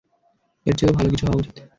এর চেয়েও ভালো কিছু হওয়া উচিত।